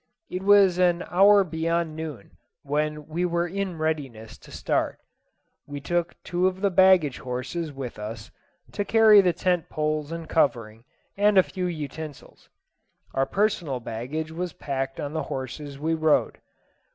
It was an hour beyond noon when we were in readiness to start. We took two of the baggage horses with us, to carry the tent poles and covering, and a few utensils. Our personal baggage was packed on the horses we rode.